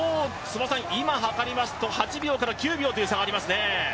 今計りますと８秒から９秒という差がありますね。